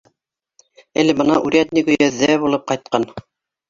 Әле бына урядник өйәҙҙә булып ҡайтҡан.